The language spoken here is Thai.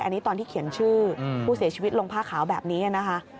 อันนี้ตอนที่เขียนชื่อผู้เสียชีวิตลงผ้าขาวแบบนี้นะคะ